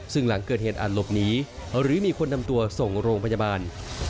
ซึ่งหลังเกิดเหตุอาจหลบหนีหรือมีคนนำตัวส่งโรงพยาบาล